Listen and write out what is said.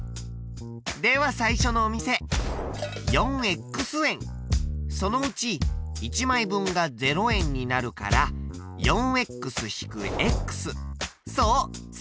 では最初のお店４円そのうち１枚分が０円になるから４−そう！